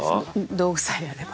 道具さえあれば。